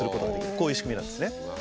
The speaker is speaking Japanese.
こういう仕組みなんですね。